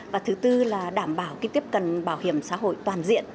và thứ tư là đảm bảo tiếp cận bảo hiểm xã hội toàn diện